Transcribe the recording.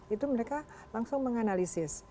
itu mereka langsung menganalisis